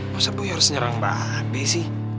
masa gue harus nyerang mbak a b sih